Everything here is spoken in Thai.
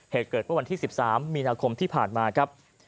เหตุเกิดเมื่อวันที่๑๓มีนาคมที่ผ่านมาครับ